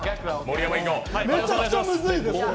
めちゃくちゃむずいですよ。